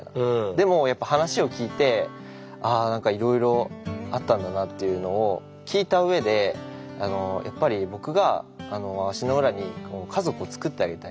でもやっぱ話を聞いてあ何かいろいろあったんだなっていうのを聞いたうえでやっぱり僕が足の裏に家族をつくってあげたい。